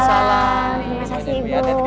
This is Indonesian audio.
terima kasih ibu